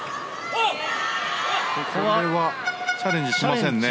これはチャレンジしませんね。